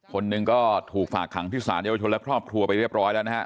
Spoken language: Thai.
คนหนึ่งก็ถูกฝากขังที่สารเยาวชนและครอบครัวไปเรียบร้อยแล้วนะฮะ